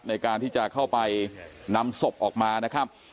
ในการที่จะเข้าไปนำศพออกมานะครับ